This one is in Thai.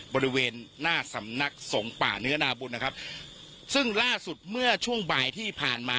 บริเวณหน้าสำนักสงฆ์ป่าเนื้อนาบุญนะครับซึ่งล่าสุดเมื่อช่วงบ่ายที่ผ่านมา